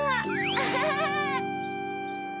アハハハ！